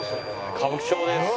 歌舞伎町です。